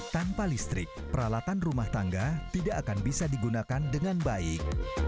tanpa listrik peralatan rumah tangga tidak akan bisa digunakan dengan baik